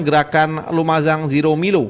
gerakan lumajang zero milo